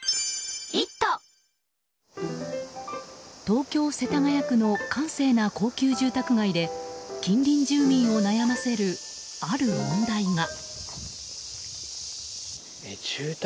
東京・世田谷区の閑静な高級住宅街で近隣住民を悩ませるある問題が。